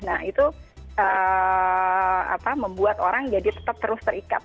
nah itu membuat orang jadi tetap terus terikat